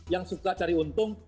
yang suka cari untung